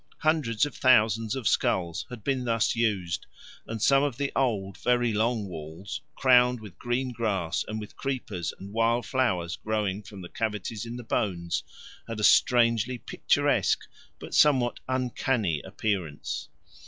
Hundreds of thousands of skulls had been thus used, and some of the old, very long walls, crowned with green grass and with creepers and wild flowers growing from the cavities in the bones, had a strangely picturesque but somewhat uncanny appearance.